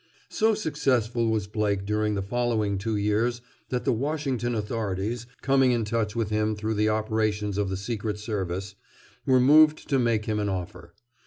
So successful was Blake during the following two years that the Washington authorities, coming in touch with him through the operations of the Secret Service, were moved to make him an offer.